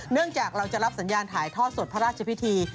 จากเราจะรับสัญญาณถ่ายทอดสดพระราชพิธี